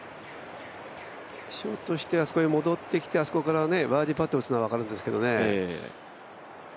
ショートして、あそこへ戻ってきてあそこからバーディーパットを打つのは分かるんですけどね。